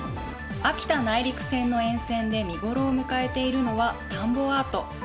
秋田内陸線の沿線で見ごろを迎えているのは田んぼアート。